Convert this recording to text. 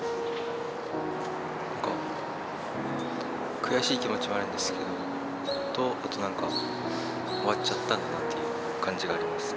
悔しい気持ちもあるんですけど、あとなんか、終わっちゃったんだなという感じがあります。